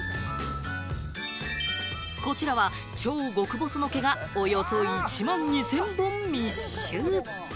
こちらは超極細の毛がおよそ１万２０００本密集。